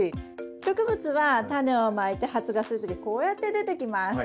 植物はタネをまいて発芽する時はこうやって出てきます。